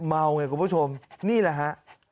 เมาไงคุณผู้ชมนี่แหละฮะ